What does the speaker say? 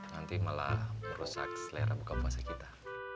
nanti malah merusak selera buka puasa kita